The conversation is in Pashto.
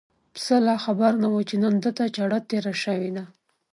پسه لا خبر نه و چې نن ده ته چاړه تېره شوې ده.